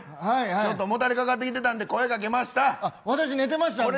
ちょっともたれかかってきてたんで声掛けました。